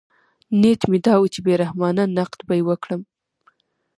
نیت مې دا و چې بې رحمانه نقد به یې وکړم.